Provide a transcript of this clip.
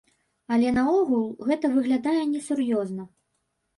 Але наогул, гэта выглядае несур'ёзна.